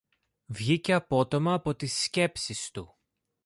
Βγήκε απότομα από τις σκέψεις του